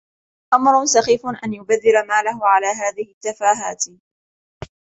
أمر سخيف أن يبذر ماله على هذه التفاهات.